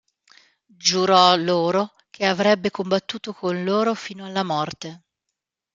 Giurò loro che avrebbe combattuto con loro fino alla morte.